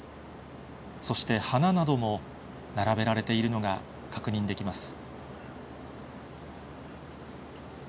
そして花なども並べられているのが確認できます。